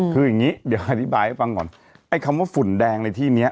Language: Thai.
คืออย่างนี้เดี๋ยวอธิบายให้ฟังก่อนไอ้คำว่าฝุ่นแดงในที่นี้